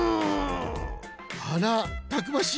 あらたくましい。